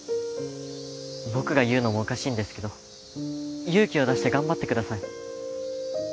僕が言うのもおかしいんですけど勇気出して頑張ってください。